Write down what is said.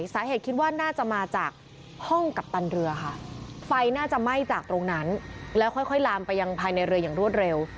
สาเหตุคิดว่าน่าจะมาจากห้องกัปตันเรือค่ะไฟน่าจะไหม้จากตรงนั้นแล้วค่อยลามไปยังภายในเรืออย่างรวดเร็ว